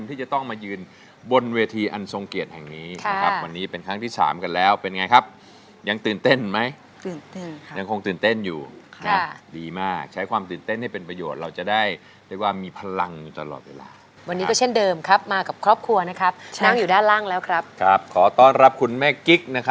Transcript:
ที่จะต้องมายืนบนเวทีอันทรงเกียรติแห่งนี้นะครับวันนี้เป็นครั้งที่สามกันแล้วเป็นไงครับยังตื่นเต้นไหมตื่นเต้นค่ะยังคงตื่นเต้นอยู่ค่ะดีมากใช้ความตื่นเต้นให้เป็นประโยชน์เราจะได้เรียกว่ามีพลังอยู่ตลอดเวลาวันนี้ก็เช่นเดิมครับมากับครอบครัวนะครับนั่งอยู่ด้านล่างแล้วครับขอต้อนรับคุณแม่กิ๊กนะครับ